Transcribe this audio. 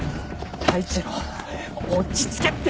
太一郎落ち着けって